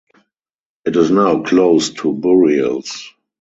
It is now closed to burials.